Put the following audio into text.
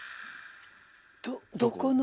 どどこの？